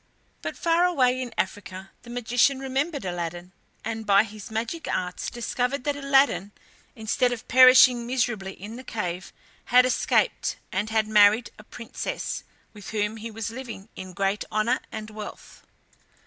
But far away in Africa the magician remembered Aladdin, and by his magic arts discovered that Aladdin, instead of perishing miserably in the cave, had escaped, and had married a princess, with whom he was living in great honour and wealth.